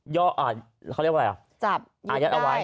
ย่ออ่าเขาเรียกว่าอะไรอ่ะจับยึดได้